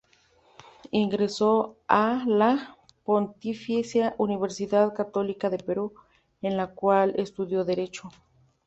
Ingresó a la Pontificia Universidad Católica del Perú, en la cual estudió Derecho.